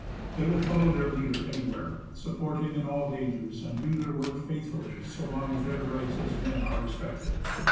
They will follow their leader anywhere, support him in all dangers, and do their work faith fully so long as their rights as men are respected.